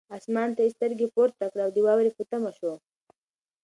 اسمان ته یې سترګې پورته کړې او د واورې په تمه شو.